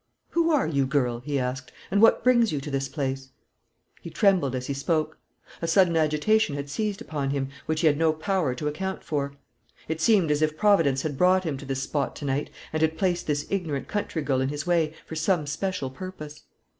"Who are you, girl?" he asked; "and what brings you to this place?" He trembled as he spoke. A sudden agitation had seized upon him, which he had no power to account for. It seemed as if Providence had brought him to this spot to night, and had placed this ignorant country girl in his way, for some special purpose.